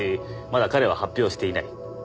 まだ彼は発表していない。